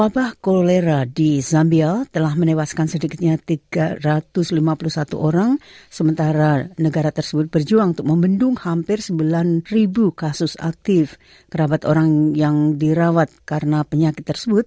bagaimana menurut anda apakah keputusan tersebut akan menyebabkan kegiatan tersebut